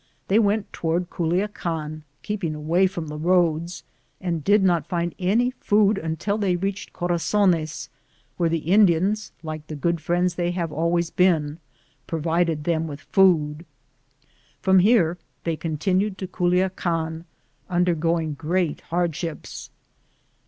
They went toward Culiacan, keeping away from the roads, and did not find any food until they reached Corazones, where the ti ed t, Google THE JOURNEY OP CORONADO dians, like the good friends they have always been, provided them with food. From here they continued to Culiacan, undergoing great hardships.